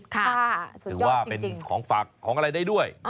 หรือว่าเป็นของฝากของอะไรได้ด้วย